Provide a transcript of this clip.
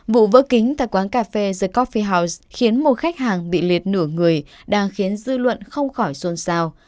vụ vỡ kính tại quán cà phê jacoffi house khiến một khách hàng bị liệt nửa người đang khiến dư luận không khỏi xôn xao